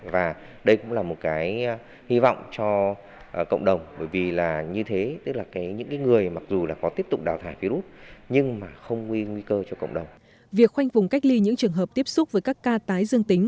việc khoanh vùng cách ly những trường hợp tiếp xúc với các ca tái dương tính